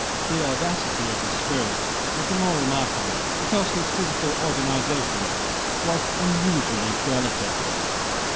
The audacity of his spirit was the more remarkable because his physical organization was unusually delicate.